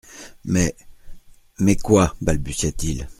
Mais … —Mais, quoi ?…» balbutia-t-il.